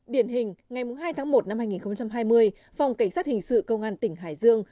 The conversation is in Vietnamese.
điển hình ngày hai tháng một năm hai nghìn hai mươi phòng cảnh sát hình sự công an tỉnh hải dương